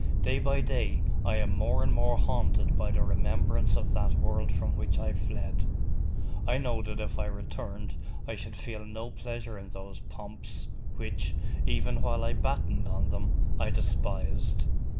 Day by day I am more and more haunted by the remembrance of that world from which I fled. I know that if I returned I should feel no pleasure in those pomps, which, even while I battened on them, I despised.